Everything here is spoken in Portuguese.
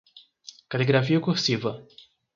Caligrafia cursiva